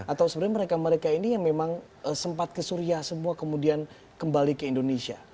atau sebenarnya mereka mereka ini yang memang sempat ke suria semua kemudian kembali ke indonesia